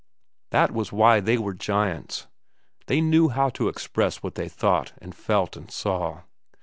That was why they were giants. They knew how to express what they thought, and felt, and saw.